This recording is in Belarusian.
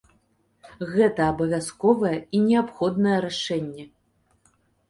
Гэта абавязковае і неабходнае рашэнне.